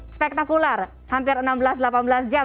spektakular hampir enam belas delapan belas jam